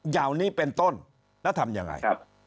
อย่างนี้เป็นต้นแล้วทำยังไง